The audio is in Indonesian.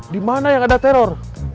di mana yang ada teror